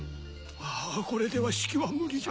あこれでは式は無理じゃ。